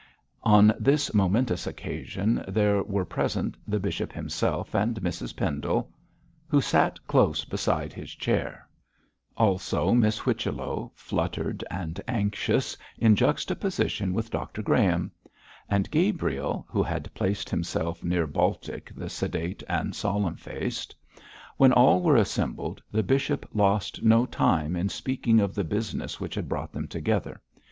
On this momentous occasion there were present the bishop himself and Mrs Pendle, who sat close beside his chair; also Miss Whichello, fluttered and anxious, in juxtaposition with Dr Graham; and Gabriel, who had placed himself near Baltic the sedate and solemn faced. When all were assembled, the bishop lost no time in speaking of the business which had brought them together.